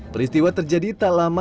peristiwa terjadi tak lama